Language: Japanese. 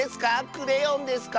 クレヨンですか？